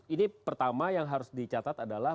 ini pertama yang harus dicatat adalah